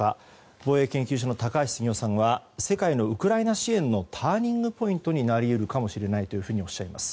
防衛研究所の高橋杉雄さんは世界のウクライナ支援のターニングポイントになり得るかもしれないとおっしゃいます。